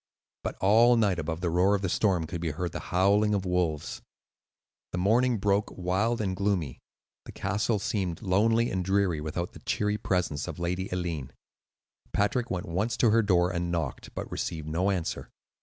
But all night above the roar of the storm could be heard the howling of wolves. The morning broke wild and gloomy; the castle seemed lonely and dreary without the cheery presence of Lady Eileen. Patrick went once to her door and knocked, but received no answer.